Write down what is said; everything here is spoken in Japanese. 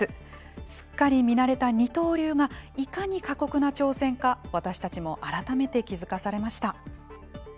すっかり見慣れた二刀流がいかに過酷な挑戦か私たちも改めて気付かされました。